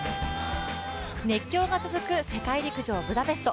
熱狂が続く世界陸上ブダペスト。